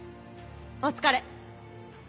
お疲れ！